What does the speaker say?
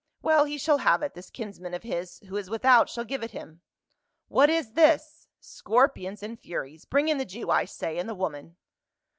Well, he shall have it, this kinsman of his who is without shall give it him. — What is this ! scor pions and furies ! Bring in the Jew, I say, and the woman."